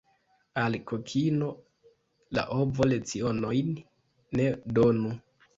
Al kokino la ovo lecionojn ne donu.